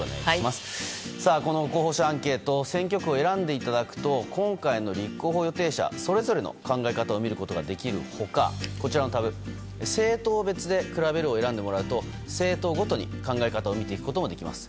この候補者アンケート選挙区を選んでいただくと今回の立候補予定者それぞれの考え方を見ることができる他こちらのタブ、政党別で比べるを選んでもらうと政党ごとに考え方を見ていくこともできます。